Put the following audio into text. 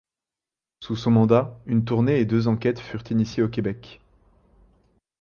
Sous son mandat, une tournée et deux enquêtes furent initiées au Québec.